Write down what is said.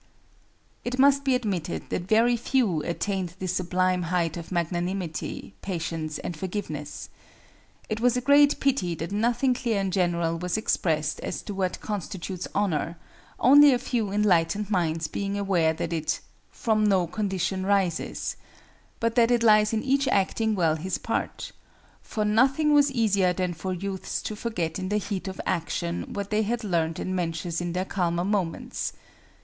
It must be admitted that very few attained this sublime height of magnanimity, patience and forgiveness. It was a great pity that nothing clear and general was expressed as to what constitutes Honor, only a few enlightened minds being aware that it "from no condition rises," but that it lies in each acting well his part: for nothing was easier than for youths to forget in the heat of action what they had learned in Mencius in their calmer moments.